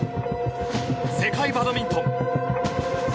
世界バドミントン。